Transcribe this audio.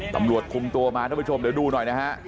ตำรวจคุมตัวมาท่านผู้ชมเดี๋ยวดูหน่อยนะฮะ